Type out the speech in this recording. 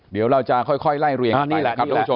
เดี๋ยวเราจะค่อยไล่เรียนไปกับทุกผู้ชมครับ